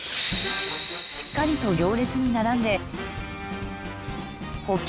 しっかりと行列に並んでホッキ